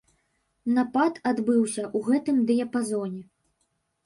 Напад адбыўся ў гэтым дыяпазоне.